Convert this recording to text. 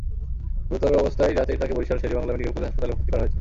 গুরুতর অবস্থায় রাতেই তাঁকে বরিশাল শের-ই-বাংলা মেডিকেল কলেজ হাসপাতালে ভর্তি করা হয়েছে।